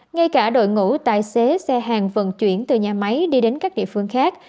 ngay cả đội ngũ tài xế xe hàng vận chuyển từ nhà máy đi đến các địa phương khác